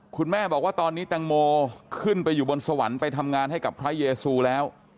คุณแม่บอกว่าตอนนี้แตงโมขึ้นไปอยู่บนสวรรค์ไปทำงานให้กับพระเยซูแล้ว